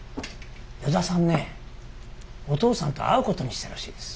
依田さんねお父さんと会うことにしたらしいです。